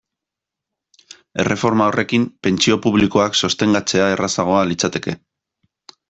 Erreforma horrekin, pentsio publikoak sostengatzea errazagoa litzateke.